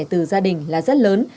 từ gia đình là rất lớn